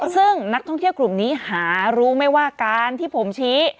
ซึ่งนักท่องเที่ยวกลุ่มนี้หารู้ไหมว่าการที่ผมชี้